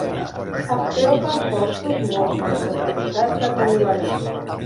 Es creu que els ossos mostren activitats de canibalisme.